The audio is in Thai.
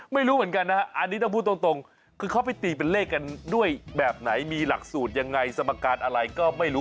ไม่รู้เหมือนกันนะฮะอันนี้ต้องพูดตรงคือเขาไปตีเป็นเลขกันด้วยแบบไหนมีหลักสูตรยังไงสมการอะไรก็ไม่รู้